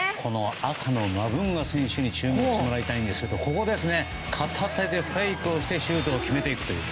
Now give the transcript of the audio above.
赤のマブンガ選手に注目してもらいたいんですが片手でフェイクをしてシュートを決めていくという。